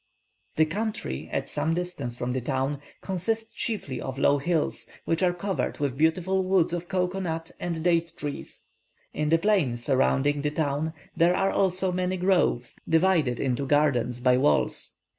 The country, at some distance from the town, consists chiefly of low hills, which are covered with beautiful woods of cocoa nut and date trees; in the plain surrounding the town there are also many such groves divided into gardens by walls.